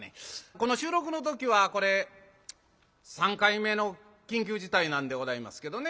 この収録の時はこれ３回目の緊急事態なんでございますけどね